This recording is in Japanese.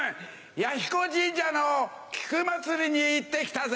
彌彦神社の菊まつりに行って来たぜ。